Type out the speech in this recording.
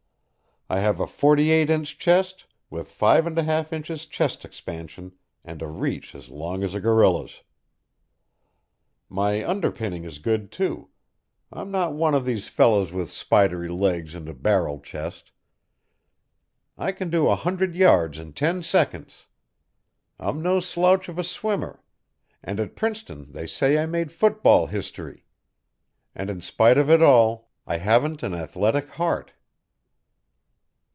I have a forty eight inch chest, with five and a half inches chest expansion, and a reach as long as a gorilla's. My underpinning is good, too; I'm not one of these fellows with spidery legs and a barrel chest. I can do a hundred yards in ten seconds; I'm no slouch of a swimmer; and at Princeton they say I made football history. And in spite of it all, I haven't an athletic heart."